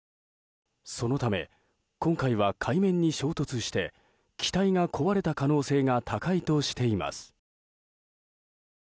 そのため、今回は海面に衝突して機体が壊れた可能性が高いとしています。